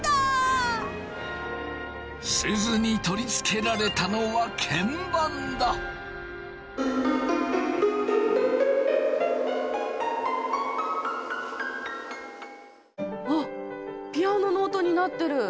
すずに取り付けられたのはあっピアノの音になってる。